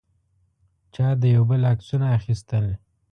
چا د یو بل عکسونه اخیستل.